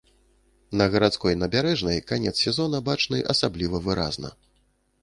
На гарадской набярэжнай канец сезона бачны асабліва выразна.